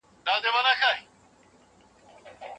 هغه دا مهال د کلي له خلګو سره مرسته کوي.